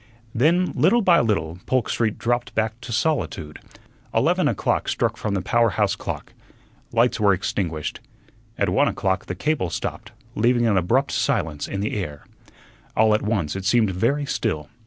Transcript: Then, little by little, Polk Street dropped back to solitude. Eleven o'clock struck from the power house clock. Lights were extinguished. At one o'clock the cable stopped, leaving an abrupt silence in the air. All at once it seemed very still.